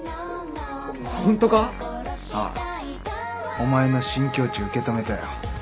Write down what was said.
お前の新境地受け止めたよ。